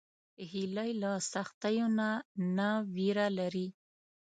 هیلۍ له سختیو نه نه ویره لري